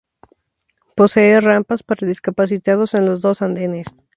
Posee rampas para discapacitados en los dos andenes.